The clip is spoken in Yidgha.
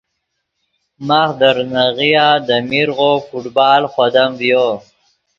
ماخ دے ریزناغیا دے میرغو فٹبال خودم ڤیو